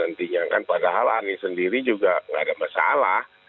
nantinya kan padahal anies sendiri juga nggak ada masalah